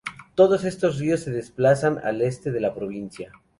Todos estos ríos se desplazan al Este de la provincia.